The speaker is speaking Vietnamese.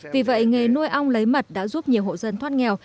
vì vậy nghề nuôi ong lấy mật đã giúp nhiều hộ dân thoát nghèo